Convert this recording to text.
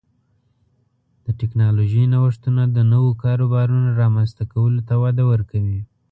د ټکنالوژۍ نوښتونه د نوو کاروبارونو رامنځته کولو ته وده ورکوي.